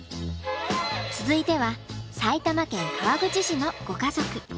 続いては埼玉県川口市のご家族。